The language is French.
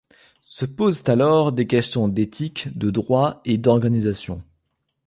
Se posent alors des questions d'éthique, de droit, et d'organisation.